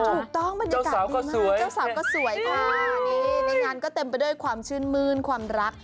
บรรยากาศดีมากเจ้าสาวก็สวยค่ะนี่ในงานก็เต็มไปด้วยความชื่นมื้นความรัก